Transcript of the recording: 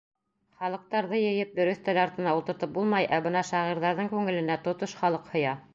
Халыҡтарҙы йыйып бер өҫтәл артына ултыртып булмай, ә бына шағирҙарҙың күңеленә тотош халыҡ һыя.